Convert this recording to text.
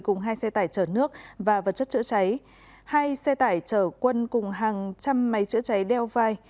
cùng hai xe tải chở nước và vật chất chữa cháy hai xe tải chở quân cùng hàng trăm máy chữa cháy đeo vai